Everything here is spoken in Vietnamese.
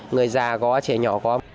người già có chế nhỏ có